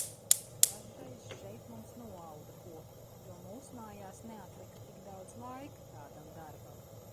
Dažreiz šeit mums noauda ko, jo mūsmājās neatlika tik daudz laika tādam darbam.